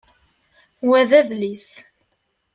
Wa d adlis.